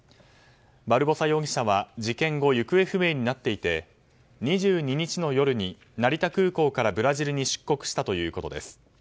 バルボサ容疑者は事件後行方不明になっていて２２日の夜に成田空港からブラジルに出国したということです。